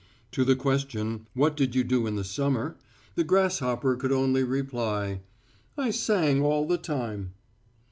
To the question, "What did you do in the summer?" the grasshopper could only reply, "I sang all the time."